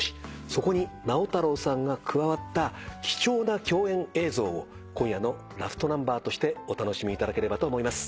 そこに直太朗さんが加わった貴重な共演映像を今夜のラストナンバーとしてお楽しみいただければと思います。